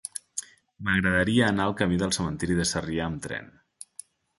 M'agradaria anar al camí del Cementiri de Sarrià amb tren.